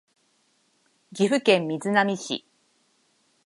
岐阜県瑞浪市